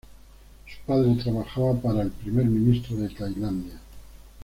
Su padre trabaja para el Primer Ministro de Tailandia.